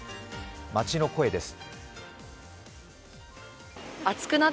街の声です。